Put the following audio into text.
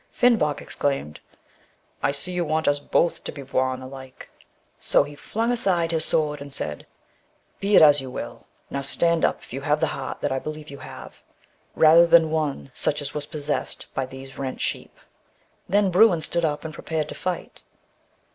" Finnbog exclaimed, * I see, you want us both to be boune alike !' so he flung aside his sword and said, * Be it as you will; now stand up if you have the heart that I believe you have, rather than one such as was possessed by these rent sheep.' ORIGIN OF THE WERE WOLF MYTH. 167 " Then Bruin stood up and prepared to fight."